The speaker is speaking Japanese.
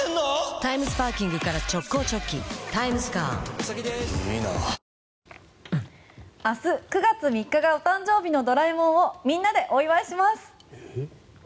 ただそれでも最高気温３３度が明日、９月３日がお誕生日のドラえもんをみんなでお祝いします。